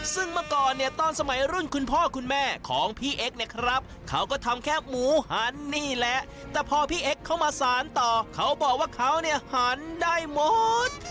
ซึ่งเมื่อก่อนเนี่ยตอนสมัยรุ่นคุณพ่อคุณแม่ของพี่เอ็กซ์เนี่ยครับเขาก็ทำแค่หมูหันนี่แหละแต่พอพี่เอ็กซ์เข้ามาสารต่อเขาบอกว่าเขาเนี่ยหันได้หมด